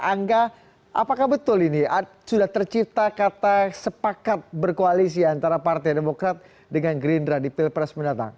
angga apakah betul ini sudah tercipta kata sepakat berkoalisi antara partai demokrat dengan gerindra di pilpres mendatang